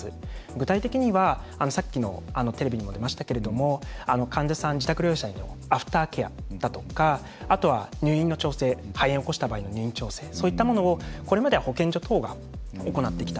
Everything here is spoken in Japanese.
具体的にはさっきのテレビにも出てましたけど患者さん、自宅療養者のアフターケアだとか肺炎のときの入院調整そういったものをこれまでは保健所等が行ってきた。